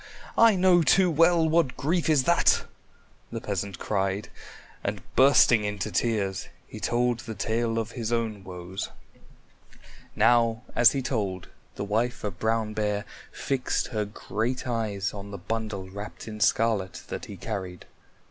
I know too well what grief is that!" the peasant cried, and bursting into tears, he told the tale of his own woes. Now as he told, the wife of Brown Bear fixed her great eyes on the bundle wrapped in scarlet that he carried.